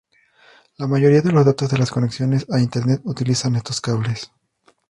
La mayoría de los datos de las conexiones a Internet utilizan estos cables.